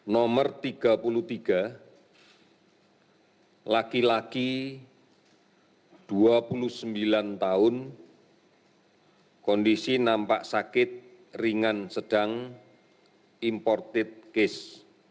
nomor tiga puluh tiga laki laki dua puluh sembilan tahun kondisi nampak sakit ringan sedang imported case